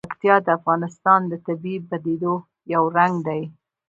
پکتیا د افغانستان د طبیعي پدیدو یو رنګ دی.